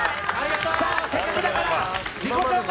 せっかくだから自己紹介